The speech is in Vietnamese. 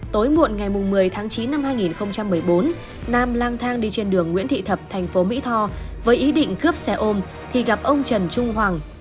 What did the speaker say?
tối muộn ngày một mươi tháng chín năm hai nghìn một mươi bốn nam lang lang thang đi trên đường nguyễn thị thập thành phố mỹ tho với ý định cướp xe ôm thì gặp ông trần trung hoàng